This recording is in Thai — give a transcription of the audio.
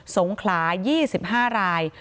สงขลา๒๕ราย